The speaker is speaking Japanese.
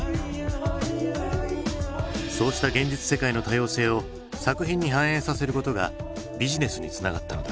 そうした現実世界の多様性を作品に反映させることがビジネスにつながったのだ。